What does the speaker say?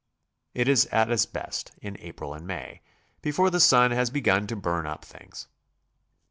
It is at its best in April and May, before the sun has begun to burn up things.